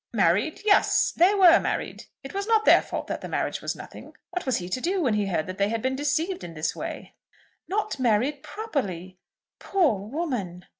"Married; yes. They were married. It was not their fault that the marriage was nothing. What was he to do when he heard that they had been deceived in this way?" "Not married properly! Poor woman!"